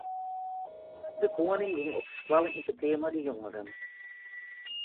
De koaning gong op de skoalle yn petear mei de jongeren.